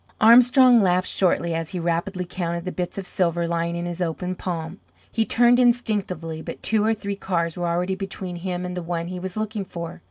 Armstrong laughed shortly as he rapidly counted the bits of silver lying in his open palm. He turned instinctively, but two or three cars were already between him and the one he was looking for.